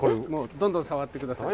どんどん触って下さい。